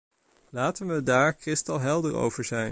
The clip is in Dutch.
Laten we daar kristalhelder over zijn.